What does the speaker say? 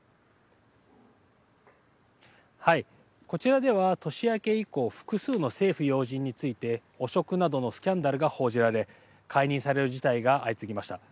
こちらでは年明け以降複数の政府要人について汚職などのスキャンダルが報じられ解任される事態が相次ぎました。